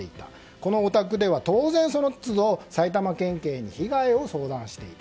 このお宅では、当然その実情を埼玉県警に被害を相談していた。